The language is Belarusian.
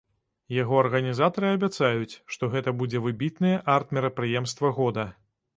Яго арганізатары абяцаюць, што гэта будзе выбітнае арт-мерапрыемства года.